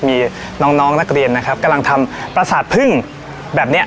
มีน้องน้องนักเรียนนะครับกำลังทำประสาทพึ่งแบบเนี้ย